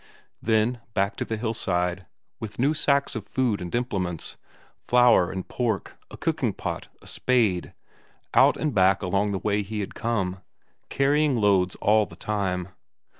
Then back to the hillside, with new sacks of food and implements; flour and pork, a cooking pot, a spade out and back along the way he had come, carrying loads all the time.